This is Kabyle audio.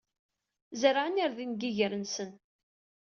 Zerɛen irden deg yiger-nsen.